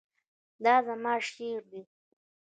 دا زما شعر دی